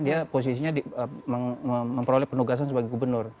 dia posisinya memperoleh penugasan sebagai gubernur